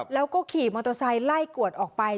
แล้วก็ขี่มอเตอร์ไซค์ไล่กวดออกไป